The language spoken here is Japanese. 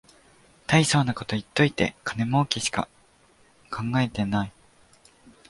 たいそうなこと言っといて金もうけしか考えてない